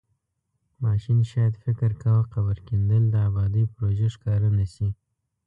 ماشین شاید فکر کاوه قبر کیندل د ابادۍ پروژه ښکاره نشي.